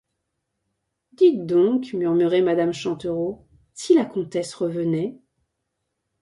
Dites donc, murmurait madame Chantereau, si la comtesse revenait.